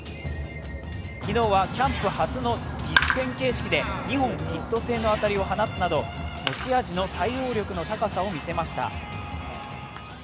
昨日はキャンプ初の実戦形式で２本、ヒット性の当たりを放つなど持ち味の対応力の高さを見せました。